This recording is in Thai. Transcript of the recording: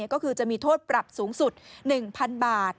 ก็คือจะมีโทษปรับสูงสุด๑๐๐๐บาท